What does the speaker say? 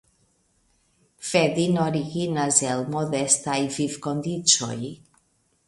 Fedin originas el modestaj vivkondiĉoj.